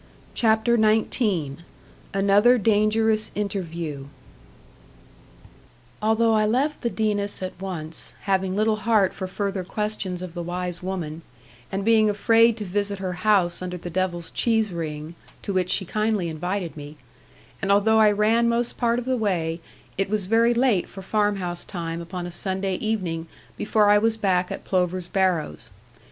CHAPTER XIX ANOTHER DANGEROUS INTERVIEW Although I left the Denes at once, having little heart for further questions of the wise woman, and being afraid to visit her house under the Devil's Cheese ring (to which she kindly invited me), and although I ran most part of the way, it was very late for farm house time upon a Sunday evening before I was back at Plover's Barrows.